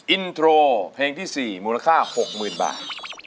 อินโทรเพลงที่๔มูลค่า๖๐๐๐บาท